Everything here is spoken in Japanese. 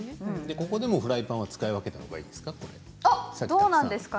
ここでもフライパンは使い分けたほうがいいですか？